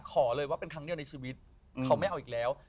ขอเลยว่าเป็นครั้งเดียวในชีวิตเขาไม่เอาอีกแล้ว